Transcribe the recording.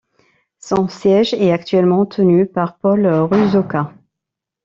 Son siège est actuellement tenu par Paul Ruzoka.